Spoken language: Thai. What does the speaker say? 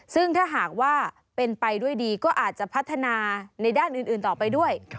ซึ่งถ้าหากว่าเป็นไปด้วยดีก็อาจจะพัฒนาในด้านอื่นต่อไปด้วย